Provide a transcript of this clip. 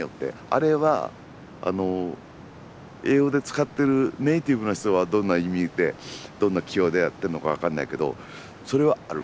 あれは英語で使ってるネイティブな人はどんな意味でやってんのか分かんないけどそれはある。